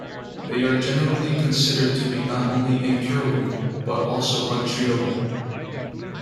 They are generally considered to be not only incurable but also untreatable.